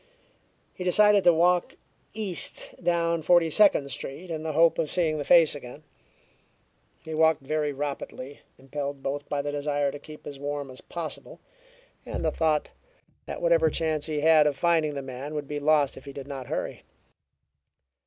He decided to walk east down Forty Second Street, in the hope of seeing the face again. He walked very rapidly, impelled both by the desire to keep as warm as possible, and the thought that whatever chance he had of finding the man would be lost if he did not hurry.